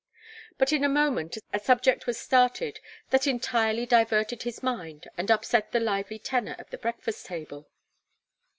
But in a moment a subject was started that entirely diverted his mind and upset the lively tenor of the breakfast table.